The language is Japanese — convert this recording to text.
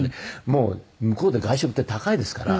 もう向こうで外食って高いですから。